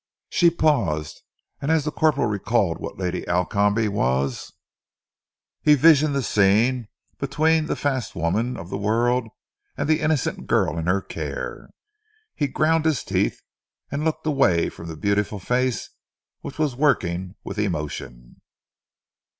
She paused, and as the corporal recalled what Lady Alcombe was, and visioned that scene between the fast woman of the world and the innocent girl in her care, he ground his teeth, and looked away from the beautiful face which was working with emotion.